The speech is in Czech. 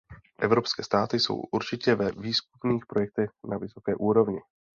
Evropské státy jsou určitě ve výzkumných projektech na vysoké úrovni.